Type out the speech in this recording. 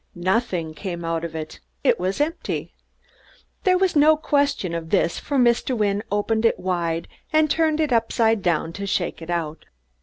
Nothing came out of it it was empty! There was no question of this, for Mr. Wynne opened it wide and turned it upside down to shake it out.